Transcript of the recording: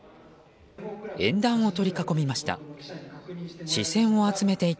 演壇を取り囲みました。